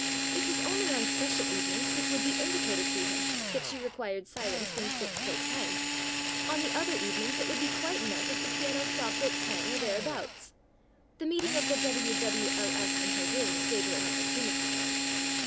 It was only on special evenings, which would be indicated to him, that she required silence from six till ten. On the other evenings it would be quite enough if the piano stopped at ten or thereabouts. The meeting of the W.W.L.S. in her rooms gave her an opportunity.